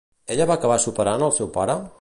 Ella va acabar superant al seu pare?